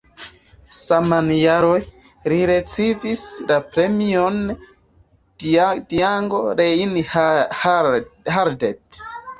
Saman jaroj li ricevis la Premion Django Reinhardt.